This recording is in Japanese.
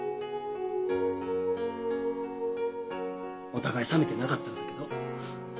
お互い冷めてなかったらだけど。